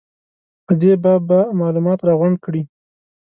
په دې باب به معلومات راغونډ کړي.